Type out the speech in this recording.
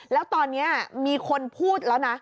แล้วตอนนี้มีคนพูดแล้วนะ